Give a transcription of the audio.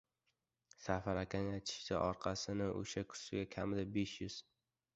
Safar akaning aytishicha, orqasini o‘sha kursiga kamida «besh yuz»